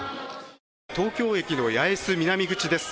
東京駅の八重洲南口です。